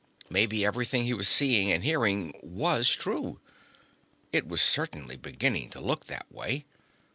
Maybe everything he was seeing and hearing was true. It was certainly beginning to look that way.